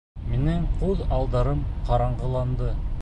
Минең күҙ алдарым ҡараңғыланды.